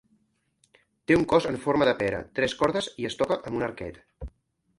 Té un cos en forma de pera, tres cordes i es toca amb un arquet.